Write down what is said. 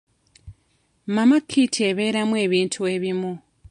Mama kit ebeeramu ebintu ebimu.